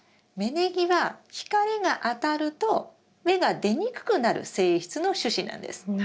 芽ネギは光が当たると芽が出にくくなる性質の種子なんです。